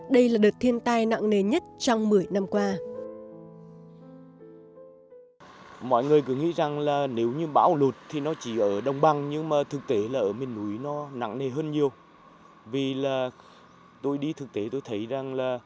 đây là đợt thiền tài nặng nề nhất trong một mươi năm qua